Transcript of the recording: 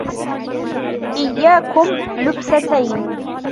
إيَّاكُمْ لُبْسَتَيْنِ